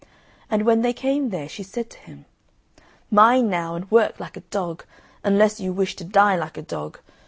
And when they came there she said to him, "Mind, now, and work like a dog, unless you wish to die like a dog.